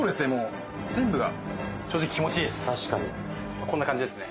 確かにこんな感じですね